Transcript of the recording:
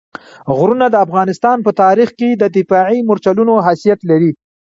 غرونه د افغانستان په تاریخ کې د دفاعي مورچلونو حیثیت لري.